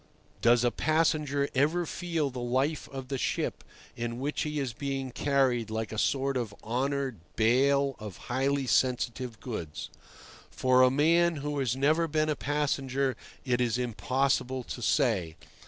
Does a passenger ever feel the life of the ship in which he is being carried like a sort of honoured bale of highly sensitive goods? For a man who has never been a passenger it is impossible to say.